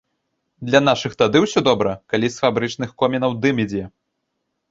Для нашых тады ўсё добра, калі з фабрычных комінаў дым ідзе.